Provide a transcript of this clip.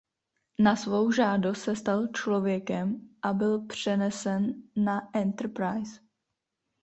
Na svou žádost se stal člověkem a byl přenesen na Enterprise.